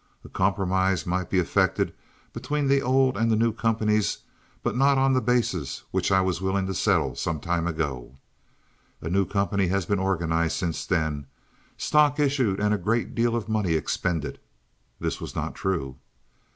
A compromise might be effected between the old and the new companies, but not on the basis on which I was willing to settle some time ago. A new company has been organized since then, stock issued, and a great deal of money expended." (This was not true.)